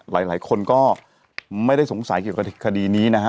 หลายคนก็ไม่ได้สงสัยเกี่ยวกับคดีนี้นะฮะ